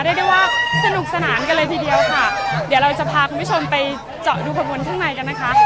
เรียกได้ว่าสนุกสนานกันเลยทีเดียวค่ะเดี๋ยวเราจะพาคุณผู้ชมไปเจาะดูขบวนข้างในกันนะคะ